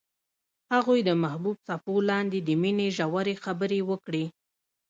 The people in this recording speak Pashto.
هغوی د محبوب څپو لاندې د مینې ژورې خبرې وکړې.